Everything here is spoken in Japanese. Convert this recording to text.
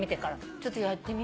ちょっとやってみよう。